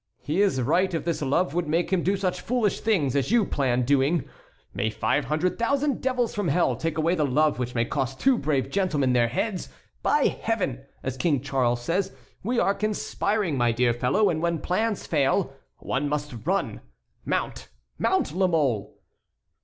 he is right if this love would make him do such foolish things as you plan doing. May five hundred thousand devils from hell take away the love which may cost two brave gentlemen their heads! By Heaven! as King Charles says, we are conspiring, my dear fellow; and when plans fail one must run. Mount! mount, La Mole!"